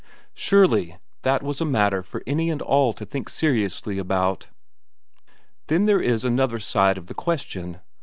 Surely that was a matter for any and all to think seriously about? "Then there is another side of the question.